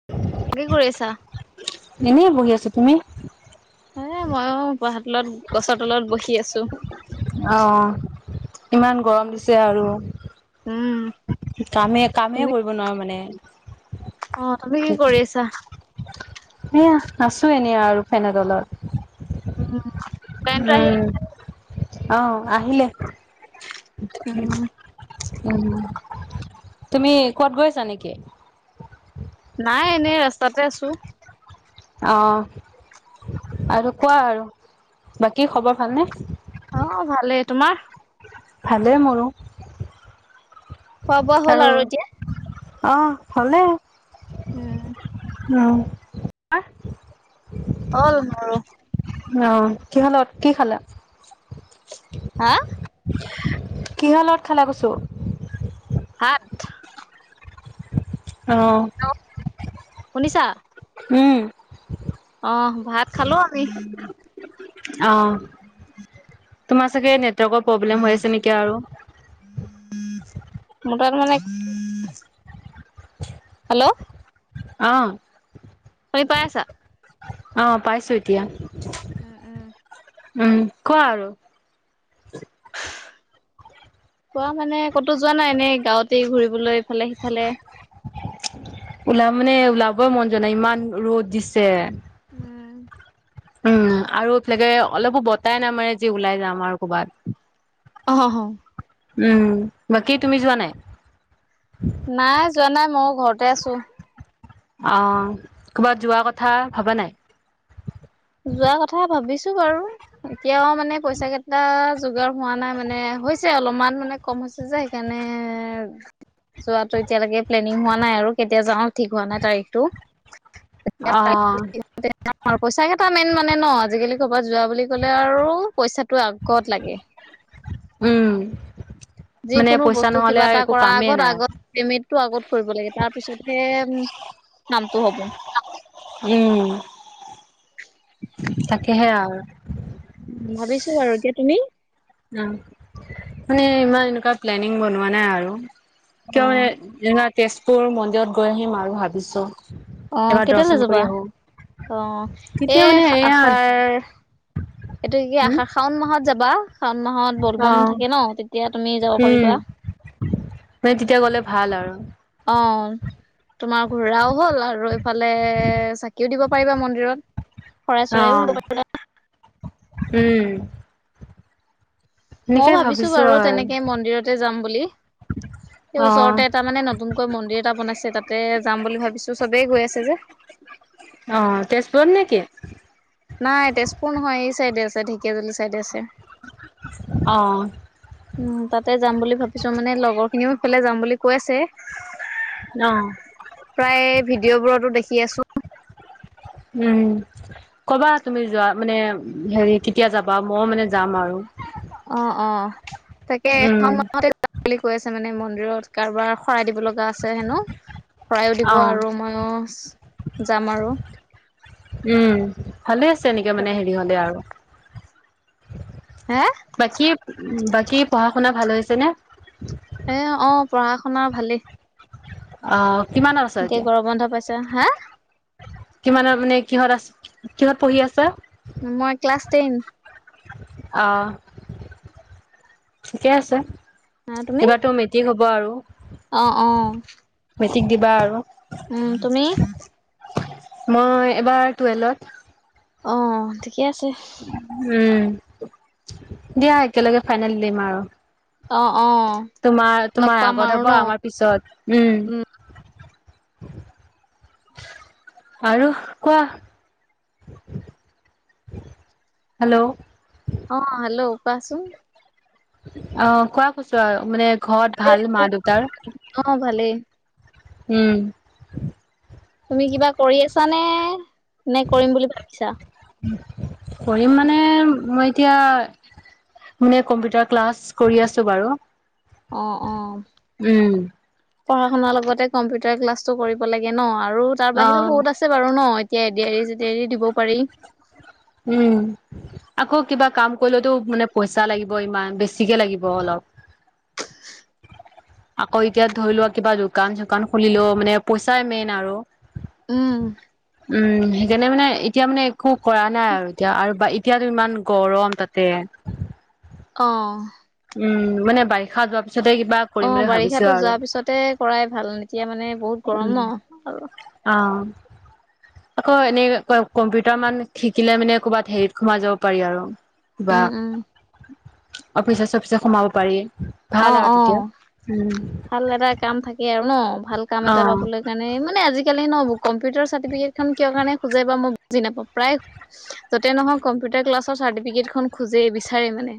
[inaudible] কি কৰিছা? এনেই বহি আছো তুমি? এ ময়ো [unintelligible] তলত গছৰ তলত বহি আছো। অ, ইমান গৰম দিছে আৰু। উম, কামে, কামে কৰিব নোৱাৰো মানে। অ তুমি কি কৰি আছা? এয়া আাছো এনে আৰু ফেনৰ তলত। উম উম অ আহিলে উম, উম, তুমি কবাত গৈ আছা নেকি? নাই এনেই ৰাস্তাতে আছো। অ আৰু কোৱা আৰু বাকী খবৰ ভালনে? অ ভালেই তোমাৰ? ভালেই মোৰো। খোৱা বোৱা হ'ল আৰু এতিয়া। অ হলেই। উম উম তোমাৰ? হল মোৰো। অহ কি খালে কি খালা? হা কিহলত খেলা কছো সাত অঁ শুনিছা উম অ ভাত খালো আমি অ তোমাৰ চাগে নেটৱৰ্কৰ প্ৰব্লেম হৈ আছে নেকি আৰু মোৰ তাত মানে হেল্ল' আহ কৰি পাই আছা অ পাইছো এতিয়া উম উম উম কোৱা আৰু খোৱা মানে কতো যোৱা নাই এনেই গাঁৱতে ঘুৰিবলৈ ইফালে সিফালে ওলা মানে ওলাবই মন যোৱা নাই ইমান ৰ'দ দিছে উম, উম, আৰুকে অলপো বতাই নাই মানে যি ওলাই যাম আৰু ক'ৰবাত। অ, হ, হ। উম, বাকী তুমি যোৱা নাই। নাই যোৱা নাই মই ঘৰতে আছো। অ, ক'ৰবাত যোৱা কথা ভবা নাই। যোৱা কথা ভাবিছো বাৰু এতিয়াও মানে পইচা কেইটা। যোগাৰ হোৱা নাই মানে হৈছে অলপমান মানে কম হৈছে যে সেইকাৰণে। যোৱাতটো এতিয়ালৈকে প্লেনিং হোৱা নাই আৰু কেতিয়া যাও ঠিক হোৱা নাই তাৰিখটো। অ পইচা, কেইটা মেইন মানে ন আজিকালি। ক'ৰবাত যোৱা বুলি ক'লে আৰু পইচাটো আগত লাগে। উম, মানে যিকোনো পইচা বস্তু নহলে কিবা আৰু এটা একো কৰাৰ কামেই আগত নাই আগত। পেমেটটো আগত কৰিব লাগে তাৰপিছতহে নামটো হ'ব। উম, তাকেহ, আৰু। ভাবিছো বাৰু এতিয়া তুমি। অ, মানে ইমান এনেকুৱা প্লেনিং বনোৱা নাই আৰু অ কিয় মানে। না, তেজপুৰ মন্দিৰত গৈ আহিম আৰু ভাবিছো। অ, এবাৰ কেতিয়ালৈ দৰ্শন যাবা কৰি আহো অ এ তেতিয়া মানে এয়া আষাৰ। এইটো কি হুম শাওন মাহত যাবা শাওন মাহত বলবম অ', থাকে ন তেতিয়া তুমি যাব উম, পাৰিবা। মানে তেতিয়া গ'লে ভাল আৰু। অ, তোমাৰ ঘোৰাও হ'ল আৰু এইফালে চাকিও দিব পাৰিবা মন্দিৰত। শৰাই চৰাইও দিব অ'। পাৰিবা। উম, মই সেনেকে ভাবিছো বাৰু আৰু তেনেকে মন্দিৰতে যাম বুলি। স, অ'। ওচৰতে এটা মানে নতুনকৈ মন্দিৰ এটা বনাইছে তাতে যাম বুলি ভাবিছো চবেই গৈ আছে যে। অ, তেজপুৰত নেকি। নাই তেজপুৰ নহয় এই চাইডে আছে ঢেকীয়াাজুলি চাইডে আছে। অ, উম, তাতে যাম বুলি ভাবিছো মানে লগৰ খিনিও সফালে যাম বুলি কৈ আছে। অ, প্ৰায় ভিডিঅ' বোৰতো দেখি আছো। উম, ক'বা তুমি যোৱা মানে হেৰি কেতিয়া যাবা মই মানে যাম আৰু। অ', অ, তাকে উম, [unintelligible] বুলি কৈ আছে মানে মন্দিৰত কাৰোবাৰ শৰাই দিব লগা। লগিয়া আছে হেনো শৰাইও দিব অ', আৰু মইও যাম আৰু। উম, ভালে আছে এনেকে মানে হেৰি হ'লে আৰু। হা, বাকী, বাকী পঢ়া শুনা ভাল হৈছে নে। এ, অ, পঢ়া-শুনা ভালেই। আহ, কিমানৰ আছ এতিয়া। গৰম বন্ধ পাইছা হা কিমানৰ মানে কিহত আছে কিহত পঢ়ি আছে। মই ক্লাছ টেন। অ', ঠিকে আছে হা তুমি এইবাৰোটো মে ক হ'ব আৰু। অ', অ, মেট্ৰিক দ'বা আৰু। উম', তুমি মই এবাৰ টুৱেলভত অ', ঠিকে আছে উ', দিয়া একেলগে ফাইনেল দিম আৰু অ', অ', তোমাৰ, লগ তোমাৰ পাম আগত আৰু হ'ব ন। আমাৰ পিছত উম', আৰু কোৱা হেল্ল' অ, হেল্ল' কোৱাচোন অ, কোৱা কৈছো আৰু মানে ঘৰত আৰু ভাল একো মা-দেউতাৰ অ ভালেই। উম', তুমি কিবা কৰি আছা নে নে কৰিম বুলি ভাবিছা কৰিম মানে মই এতিয়া মানে কম্পিউটাৰ ক্লাছ কৰি আছো বাৰু অ', অ', উম পঢ়া শুনাৰ লগতে কম্পিউটাৰ ক্লাছো কৰিব লাগে ন আৰু তাৰ অ বাহিৰেও বহুত আছে আছে বাৰু ন এতিয়া এডিয়াৰি- চেডিয়াৰি দিব পাৰি উম, আকৌ কিবা কাম কৰিলেতো মানে পইচা লাগিব ইমান বেছিকে লাগিব অলপ [inaudible] আকৌ এতিয়া ধৰি লোৱা কিবা দোকান- চোকান খুলিলোও মানে পইচাই মেইন আৰু উম, উম', সেইকাৰণে মানে এতিয়া মানে একো কৰা নাই আৰু এতিয়া আৰু এতিয়াতো ইমান গৰম তাতে অ' উম', মানে বাৰিষা যোৱাৰ পিছতে কিবা কৰিম অ', বুলি ভাবিছো বাৰিষাতো আৰু যোৱাৰ পিছতে কৰাই ভাল এতিয়া মানে বহুত গৰম উম ন আৰু অ, আকৌ এনে কম্পিউটাৰ মান শিকিলে মানে ক'ৰবাত হেৰিত সোমাই যাব পাৰি আৰু বা উম উম। অফিচে-চফিচে সোমাব পাৰি ভাল অ', আৰু তেতিয়া অ', উম ভাল এটা কাম থাকে আৰু ন ভাল কাম অ এটা পাবলৈ সেইকাৰণে মানে আজিকালি নহব কম্পিউটাৰ চাৰ্টিফিকেট খন কিয় কাৰণে খোজে বা মই বুজি নাপাওঁ প্ৰায় য'তে নহয় কম্পিউটাৰ ক্লাছৰ চাৰ্টিফিকেট খন খোজেেই বিচাৰে মানে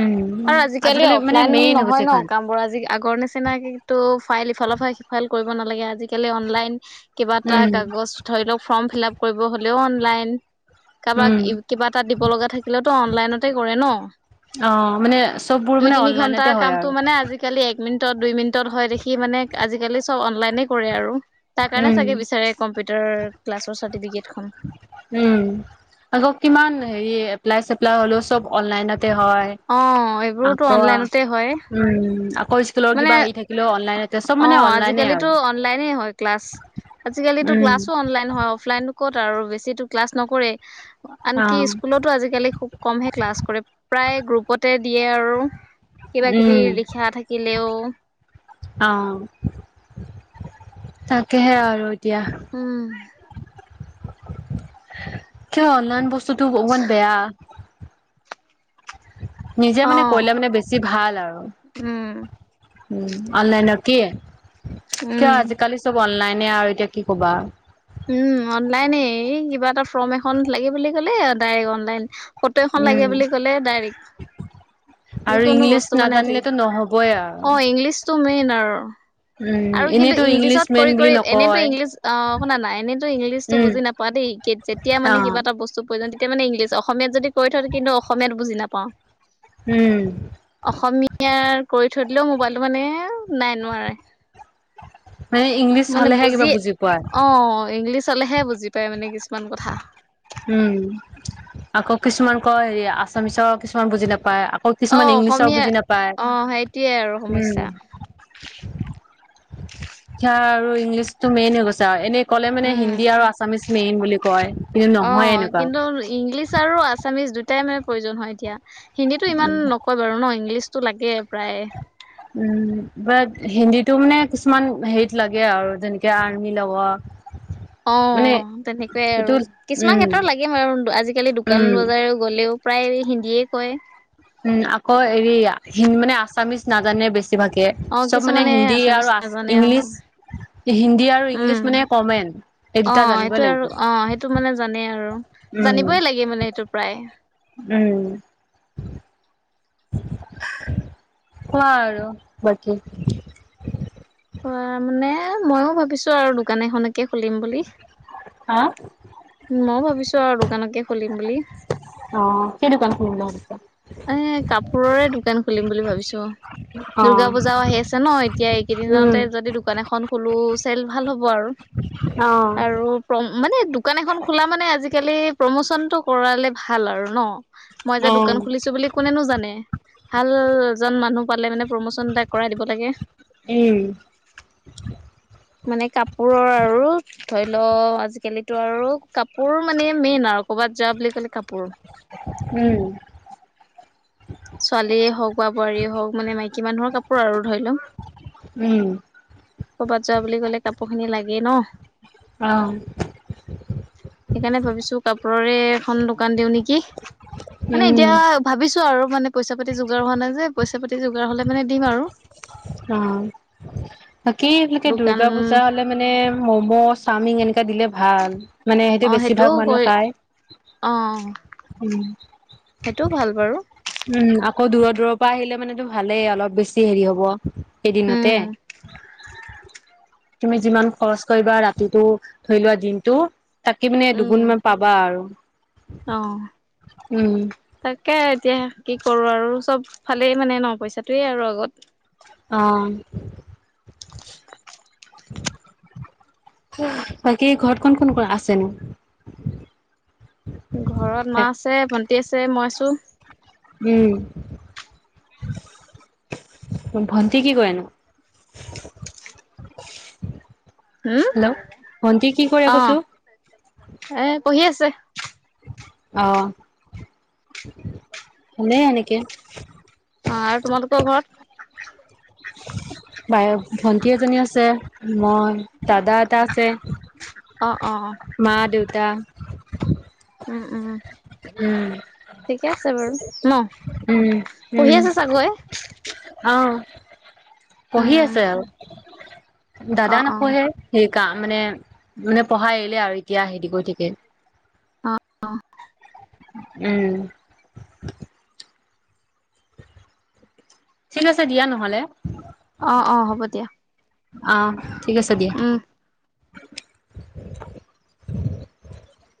উম আজিকালি মানে ফ্লাইন মেইন হৈ নহয় গৈছে ন এখন কাম আজি আগৰ নিচিনাকো ফাইল ইফালৰ পৰাাল সি ফাইল কৰিব নালাগে আজিকালি অনলাইন কিবা এটা উম কাগজ ধৰি লওক ফৰ্ম ফিল আপ কৰিব হ'লেও অনলাইন কাৰোবাক উম কিবা এটা দিব লগা থাকিলেওতো অনলাইনতে কৰে ন অ মানে চববোৰ দুই মানে তিনি ঘন্টাৰ অনলাইনতে হয় কামটো মানে আৰু আজিকালি এক মিনিটত দুই মিনিটত হয় দেখি মানে আজিকালি চব অনলাইনে কৰে আৰু তাৰ কাৰণে উম চাগে বিচাৰে কম্পিউটাৰ ক্লাছৰ চাৰ্টিফিকেট খন উম আকৌ কিমান হেৰি এপ্লাই চপ্লাই হ'লেও চব অনলাইনতে হয় অ এইবোৰোতো আকৌ অনলাইনতে হয় উম আকৈ মানে অ অনলাইনে আৰু আজিকালিতো অনলাইনে হয় ক্লাছ আজিকালিতো উম ক্লাছো অনলাইন হয় অফলাইন ক'ত আৰু বেছিো ক্লাছ নকৰে অ আনকি স্কুলতো আজিকালি খুব কমহে ক্লাছ কৰে প্ৰায় গ্ৰুপতে দিয়ে আৰু কিবা কিবি উম লিখা থাকিলেও অ তাকেহে আৰু এতিয়া উম, কিয় অনলাইন বস্তুতটো অকমান বেয়া, নিজে অ। মানে কৰিলে মানে বেছি ভাল আৰু। উম, অনলাইনৰ কি কিয় উম। আজিকালি চব অনলাইনে আৰু এতিয়া কি ক'বা আৰু। উম, অনলাইনে কিবা এটা ফৰ্ম এখন লাগে বুলি ক'লে ডাইৰেক্ অনলাইন। ফটো এখন উম লাগে বুলি ক'লে ডাইৰেক্ট, আৰু যিকোনো ইংলিছ বস্তু মানে আজি নাজানিলেতো নহবই আৰু অ, ইংলিছ টো মেইন আৰু। উম, আৰু কিন্তু এনেইতো ইংলিছ ইংলিছত মেন কৰি বুলি কৰি এনেতো নকয়। ইংলিছ আহ, শুনা নাই এনেতো ইংলিছটো উম, বুজি নাপোৱা দেই যেতিয়া মানে অ', কিবা এটা বস্তু প্ৰয়ো তেতিয়াান ইংলিছ অসমীয়াত যদি কৈ থ কিন্তু অসমীয়াত বুজি নাপাওঁ। উম, অসমীয়াৰ কৰি থৈ দিলেও মোবাইলটো মানে নাই নোৱাৰে। মে ইংল মানে বুজি অ, ইংলিছ হলেহে বুজি পায় মানে কিছুমান কথা। উম, আকৌ কিছুমান ক হেৰি আছামিছৰ কিছুমান বুজি নাপায় আকৌ অ কিছুমান ইংলিছৰ অসমীয়া বুজি নাপায়। অ সেইটোয়ে আৰু সমস্যা উম, শিক্ষা আৰু ইংলিছটো মেইন হৈ গৈছে আৰু এনে ক'লে মানে উম হিন্দী আৰু আছামিচ মেইন বুলি কয়। কিন্তু অ, নহয় এনেকুৱা। কিন্তু ইংলিছ আৰু আছামিছ দুটাই মানে প্ৰয়োজন হয় এতিয়া। হিন্দীটো ইমান নকয় বাৰু ন ইংলিছতো লাগে প্ৰায়, উম, বাট হিন্দীটো মানে কিছুমান হেত লাগে আৰু যেনেকে আৰ্মি লগত। [inaudible] অ, তেনেকুৱাই আৰু সেইটো কিছুমান উম, ক্ষেত্ৰত লাগিম আৰু আজিকালি দোকান উম। বজাৰে গ'লেও প্ৰায় হিন্দীয়ে কয়। উম, আকৌ হেৰি হ মানে আছামিজ নাজানে বেছিভাগে। অ, চব মানে কিছুমানে হিন্দী আছোমি আৰু আ জানে অ, ইংলিছ হিন্দী আৰু উম, ইংলিছ মানে কমেন এই অ, দুটা জানিবই সেইটোে লাগিব আৰু অ, সেইটো মানে জানেই আৰু। উম জানিবই লাগে মানে এইটো প্ৰায়। উম, কুৱা আৰু বাকী। কুৱা মানে ময়ও ভাবিছো আৰু দোকান এখনকে খুলিম বুলি। হা? মই ভাবিছো আৰু দোকানকে খুলিম বুলি। অ, কি দোকান খুলিম বুলি ভাবিছা? এ, কাপোৰৰে দোকান খুলিম বুলি ভাবিছোঁ। অ দুূৰ্গা পূজাও আহি আছে ন এতিয়া উম এইকেইদিনতে যদি দোকান এখন খলো চেল ভাল হ'ব আৰু। অ, আৰু মানে দোকান এখন খোলা মানে আজিকালি প্ৰমোচনটো কৰালে ভাল আৰু ন? উম, চো বুলি কোনেনো জানে ভালএজন মানুহ পালে মানে প্ৰমোচন এটা কৰাই দিব লাগে। উম, মানে কাপোৰৰ আৰু ধৰি লও আজিকালি ত আৰু কাপোৰ মানে মেইন আৰু ক'ৰবাত যোৱা বুলি ক'লে কাপোৰ উম, ছোৱালীয়ে হওক বা বোৱাৰীয়ে হওক মানে মাইকী মানুহৰ কাপোৰ আৰু ধৰি লক। উম, যোৱা বুলি ক'লে কাপোৰ খিনি লাগেই ন? অ সেইকাৰণে ভাবিছোঁ কাপোৰৰে এখন দোকান দিও নেকি, মানে উম এতিয়া ভাবিছোঁ আৰু মানে পইচা পাতি যোগাৰ হোৱা নাই যে পইচা পাতি যোগাৰ হ'লে মানে দিম আৰু। অ' বাকেই এইবিলাকে দোকান দুৰ্গা পূজা হলে মানে ম'ম' চাওমিন এনেকা দিলে ভাল। মানে সেইটো বেছিভাগ মানুহে খায়। অহ। উম। সেইটোও ভাল বাৰু। উম আকৌ দূৰ দূৰ পৰা আহিলে মানেতো ভালেই অলপ বেছি হেৰি হ'ব। উম এদিনতে তুমি যিমান খৰচ কৰিবা ৰাতিটো ধৰি লোৱা দিনতটো। তাকি মানে দুগুণ মান পাবা আৰু। অহ। উম তাকে এতিয়া কি কৰো আৰু চব ফালেই মানে ন পইচাটোয়ে আৰু আগত। অহ। বাকী ঘৰত কোন কোন আছে নো? ঘৰত মা আছে ভন্তি আছে মই আছোঁ। উম। ভণ্টি কি কৰেনো? [inaudible] হম, হেল্ল' ভন্টি কি কৰে অ' কৈছো এ পঢ়ি আছে। অহ এনে এনেকে অ' আৰু তোমালকৰ ঘৰত? বাই ভন্টি এজনী আছে মই দাদা এটা আছে অ অ অ মা দেউতা। উম, উম। উম ঠিকে আছে বাৰু ন পঢ়ি আছে চাগৈ? অহ পঢ়ি উম আছে আৰু অ দাদা অ নপঢ়ে। সি কা মানে মানে পঢ়া এৰিলে আৰু এতিয়া হেৰি গৈ থাকে অ'। উম। ঠিক আছে দিয়া নহ'লে। অ', অ' হ'ব দিয়া। অ' ঠিক আছে দিয়া। উম